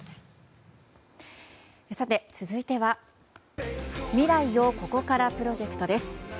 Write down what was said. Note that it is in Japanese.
続いては未来をここからプロジェクトです。